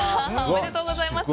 おめでとうございます。